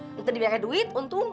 nanti dibayarnya duit untung